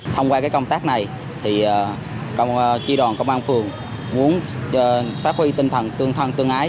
thông qua công tác này chi đoàn công an phường muốn phát huy tinh thần tương thân tương ái